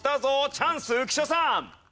チャンス浮所さん！